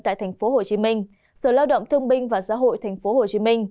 tại tp hcm sở lao động thương binh và xã hội tp hcm